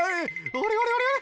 あれあれあれ？